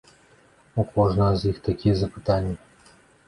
У кожнага з іх такія запытанні.